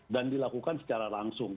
dan dilakukan secara langsung